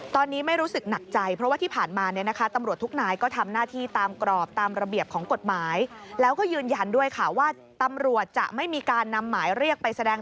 ตอนนี้ไม่รู้สึกหนักใจ